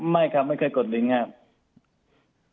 ไม่ครับไม่เคยกดลิงครับ